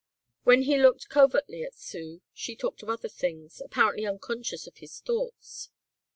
When he looked covertly at Sue she talked of other things, apparently unconscious of his thoughts.